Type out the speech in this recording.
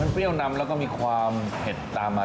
เปรี้ยวนำแล้วก็มีความเผ็ดตามมา